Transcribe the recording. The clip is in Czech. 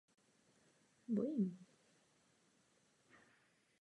Ve městě byly nejméně tři zahrady.